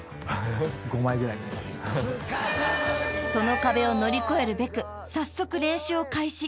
［その壁を乗り越えるべく早速練習を開始］